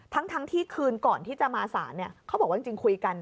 ทั้งทั้งที่คืนก่อนที่จะมาสารเนี่ยเขาบอกว่าจริงคุยกัน